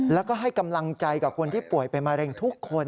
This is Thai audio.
แล้วก็ให้กำลังใจกับคนที่ป่วยเป็นมะเร็งทุกคน